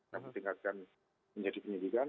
kami singkatkan menjadi penyelidikan